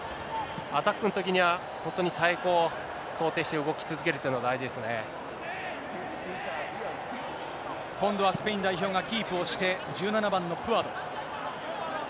アタックのときにはあたっくのときには本当に最高を想定して動き今度はスペイン代表がキープをして、１７番のプアド。